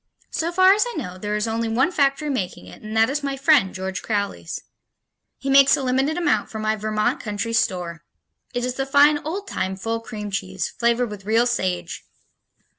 So far as I know, there is only one factory making it and that is my friend, George Crowley's. He makes a limited amount for my Vermont Country Store. It is the fine old time full cream cheese, flavored with real sage.